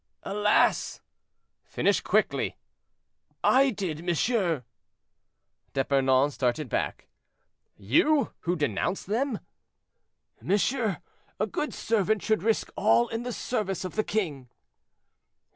"Alas!—" "Finish quickly." "I did, monsieur." D'Epernon started back. "You, who denounce them!" "Monsieur, a good servant should risk all in the service of the king."